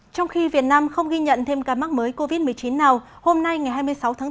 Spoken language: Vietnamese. trong khi việt nam không ghi nhận thêm ca mắc mới covid một mươi chín nào hôm nay ngày hai mươi sáu tháng bốn